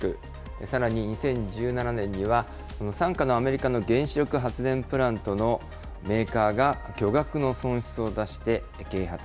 さらに２０１７年には、傘下のアメリカの原子力発電プラントのメーカーが巨額の損失を出して経営破綻。